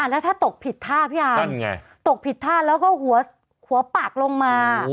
แล้วถ้าตกผิดท่าพี่อาตกผิดท่าแล้วก็หัวปากลงมา